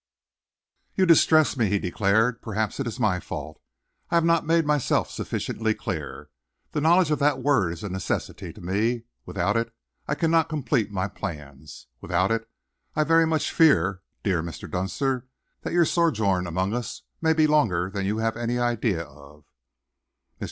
"You distress me," he declared. "Perhaps it is my fault. I have not made myself sufficiently clear. The knowledge of that word is a necessity to me. Without it I cannot complete my plans. Without it I very much fear, dear Mr. Dunster, that your sojourn among us may be longer than you have any idea of." Mr.